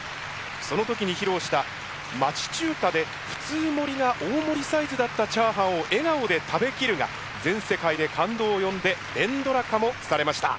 その時に披露した「町中華で普通盛りが大盛りサイズだったチャーハンを笑顔で食べきる」が全世界で感動を呼んで連ドラ化もされました。